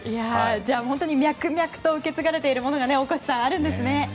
じゃあ脈々と受け継がれているものが大越さん、あるんですね。